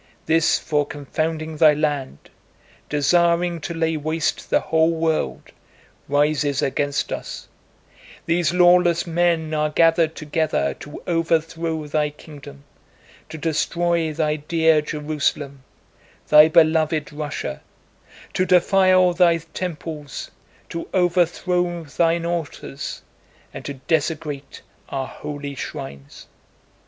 This foe confounding Thy land, desiring to lay waste the whole world, rises against us; these lawless men are gathered together to overthrow Thy kingdom, to destroy Thy dear Jerusalem, Thy beloved Russia; to defile Thy temples, to overthrow Thine altars, and to desecrate our holy shrines.